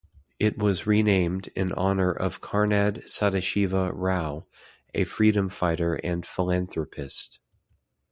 It was renamed in honor of Karnad Sadashiva Rao, a freedom fighter and philanthropist.